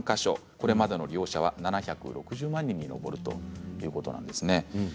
これまでの利用者は７６０万人に上るということなんですね。